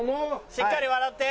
しっかり笑って。